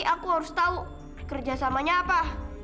aku harus tahu kerjasamanya apa